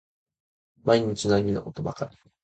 毎日難儀なことばかり